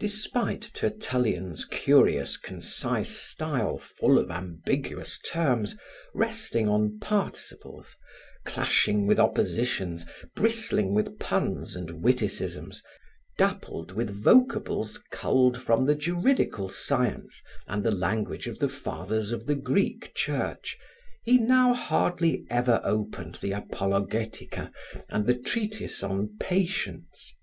Despite Tertullian's curious, concise style full of ambiguous terms, resting on participles, clashing with oppositions, bristling with puns and witticisms, dappled with vocables culled from the juridical science and the language of the Fathers of the Greek Church, he now hardly ever opened the Apologetica and the Treatise on Patience.